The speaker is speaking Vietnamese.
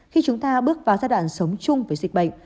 khi chúng ta bước vào giai đoạn sống chung với dịch bệnh